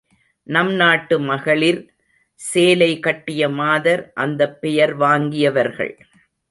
நம் நாட்டு மகளிர் சேலை கட்டிய மாதர் அந்தப் பெயர் வாங்கியவர்கள்.